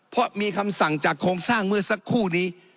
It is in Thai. เพราะมีคำสั่งจากโครงสร้างเมื่อสักครู่นี้